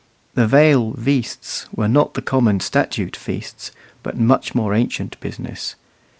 The Vale "veasts" were not the common statute feasts, but much more ancient business.